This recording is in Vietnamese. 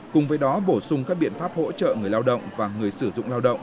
cùng với đó bổ sung các biện pháp hỗ trợ người lao động và người sử dụng lao động